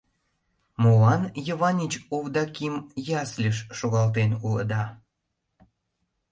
— Молан Йыванич Овдаким ясльыш шогалтен улыда?